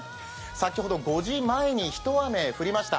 先ほど５時前に一雨降りました。